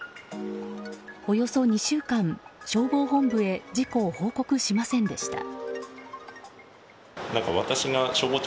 およそ２週間、消防本部へ事故を報告しませんでした。